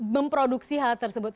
memproduksi hal tersebut